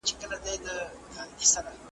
سياسي واک بايد هيڅکله ناوړه ونه کارول سي.